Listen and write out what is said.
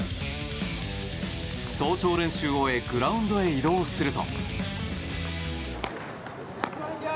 早朝練習を終えグラウンドに移動すると。